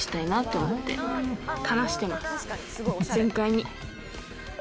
全開に。